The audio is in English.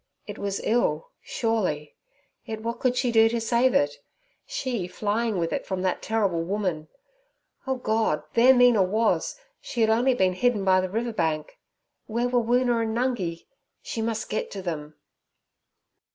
It was ill, surely; yet what could she do to save it—she flying with it from that terrible woman? O God! there Mina was; she had only been hidden by the river bank. Where were Woona and Nungi? She must get to them.